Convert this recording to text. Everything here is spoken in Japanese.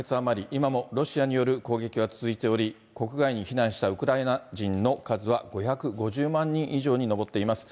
今もロシアによる攻撃は続いており、国外に避難したウクライナ人の数は５５０万人以上に上っています。